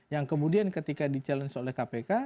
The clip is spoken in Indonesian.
yang kemudian ketika di challenge oleh kpk